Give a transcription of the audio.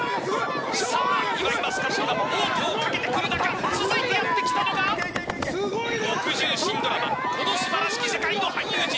岩井マスカットが王手をかけてくる中続いてやってきたのが木１０新ドラマ「この素晴らしき世界」の俳優陣。